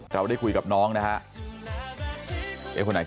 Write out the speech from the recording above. เราได้คุยกับน้องนะครับ